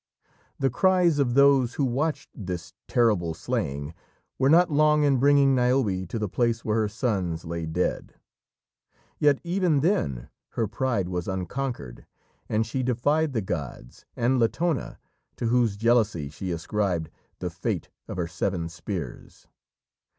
The cries of those who watched this terrible slaying were not long in bringing Niobe to the place where her sons lay dead. Yet, even then, her pride was unconquered, and she defied the gods, and Latona, to whose jealousy she ascribed the fate of her "seven spears."